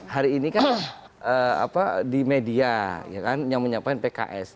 hari ini kan di media yang menyampaikan pks